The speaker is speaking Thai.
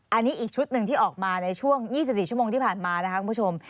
อันนี้อีกชุดหนึ่งที่ออกมาในช่วง๒๔ชั่วโมงที่ผ่านมานะคะคุณผู้ชม